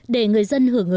để người dân hưởng thức